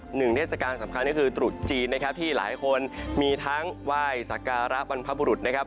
หนึ่งเทศกาลสำคัญก็คือตรุษจีนนะครับที่หลายคนมีทั้งไหว้สักการะบรรพบุรุษนะครับ